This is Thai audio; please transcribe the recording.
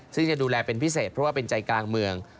ซึ่งจะดูแลเป็นพิเศษเพราะว่าเป็นใจกลางเมือง